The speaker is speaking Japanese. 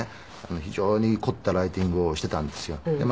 非常に凝ったライティングをしていたんですよ。